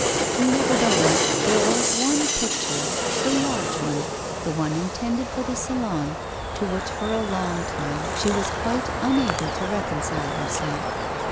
Nevertheless, there was one picture, the large one, the one intended for the Salon, to which for a long while she was quite unable to reconcile herself.